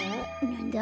なんだ？